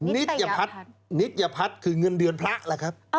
นิชยพัฒน์คือเงินเดือนพระล่ะครับ